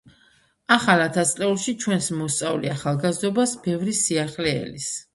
ახალ ათასწლეულში ჩვენს მოსწავლე ახალგაზრდობას ბევრი სიახლე ელის.